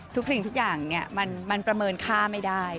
ทุกสิ่งทุกอย่างมันประเมินค่าไม่ได้